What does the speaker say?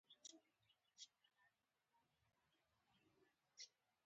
د صمد د مرګ څخه څو ورځې تېرې شوې.